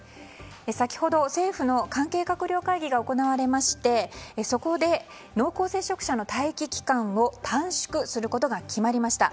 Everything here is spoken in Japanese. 先ほど政府の関係閣僚会議が行われましてそこで濃厚接触者の待機期間を短縮することが決まりました。